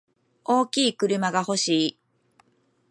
大きい車が欲しい。